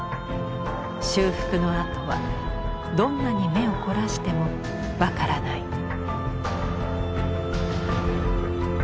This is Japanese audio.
修復の跡はどんなに目を凝らしても分からない。